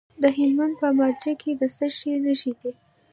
د هلمند په مارجه کې د څه شي نښې دي؟